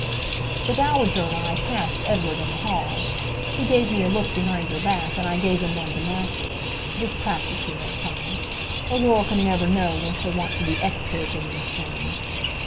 The Dowager and I passed Edward in the ball. He gave me a look behind her back, and I gave him one to match it. Just practice, you know, Tom. A girl can never know when she'll want to be expert in these things.